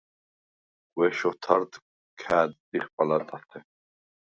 გუ̂ეშ ოთარდ ქა̄̈დტიხ პალატათე.